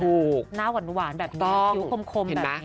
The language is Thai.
หน้าหวานแบบนี้คิ้วคมแบบนี้